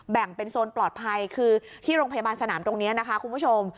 แบ่งเป็นโซนปลอดภัยคือที่โรงพยาบาลสนามตรงนี้นะคะคุณผู้ชม